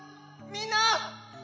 みんな！